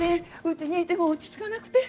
うちにいても落ち着かなくて。